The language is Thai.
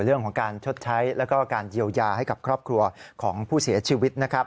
เรื่องของการชดใช้แล้วก็การเยียวยาให้กับครอบครัวของผู้เสียชีวิตนะครับ